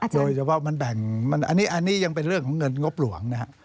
โดยเฉพาะมันแบ่งอันนี้ยังเป็นเรื่องของเงินงบหลวงนะฮะ